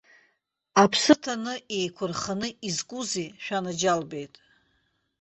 Аԥсы ҭаны, еиқәырханы изкузеи, шәанаџьалбеит.